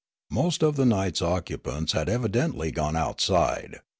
]\Iost of the night's occupants had evidentl} gone outside.